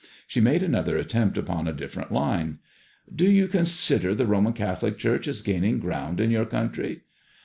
She made another attempt upon a different line/ " Do you consider the Roman Catholic Church is gaining ground in your country